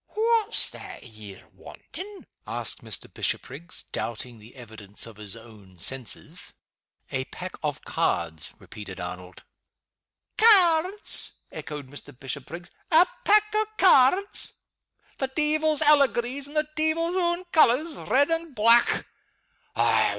"What's that ye're wantin'?" asked Mr. Bishopriggs, doubting the evidence of his own senses. "A pack of cards," repeated Arnold. "Cairds?" echoed Mr. Bishopriggs. "A pack o' cairds? The deevil's allegories in the deevil's own colors red and black!